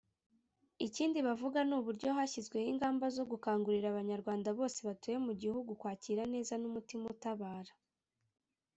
Ikindi bavuga ni uburyo hashyizweho ingamba zo gukangurira Abanyarwanda bose batuye mu gihugu kwakira neza n’umutima utabara